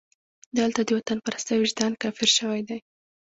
دلته د وطنپرستۍ وجدان کافر شوی دی.